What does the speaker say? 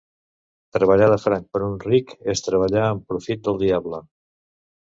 Treballar de franc per un ric és treballar en profit del diable.